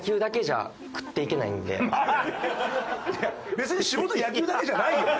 別に仕事野球だけじゃないよね。